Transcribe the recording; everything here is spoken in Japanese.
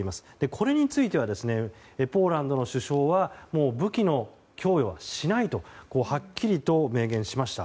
これについてポーランドの首相は武器の供与はしないとはっきりと明言しました。